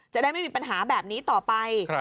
จะได้ไม่มีปัญหาแบบนี้ต่อไป